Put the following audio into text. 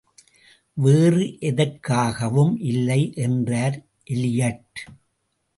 வேறு எதற்காகவும் இல்லை என்றார் எலியட்.